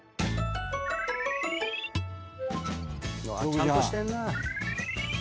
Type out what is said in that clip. ちゃんとしてんね。